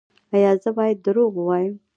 ایا زه باید دروغ ووایم؟